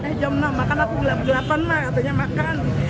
eh jam enam makan aku jam delapan lah katanya makan